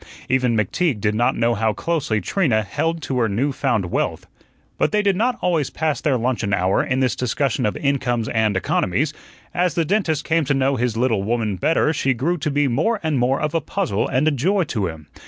Even McTeague did not know how closely Trina held to her new found wealth. But they did not always pass their luncheon hour in this discussion of incomes and economies. As the dentist came to know his little woman better she grew to be more and more of a puzzle and a joy to him.